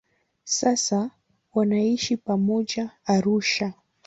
Sasa wanaishi pamoja Arusha.